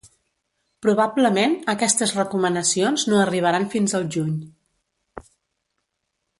Probablement, aquestes recomanacions no arribaran fins al juny.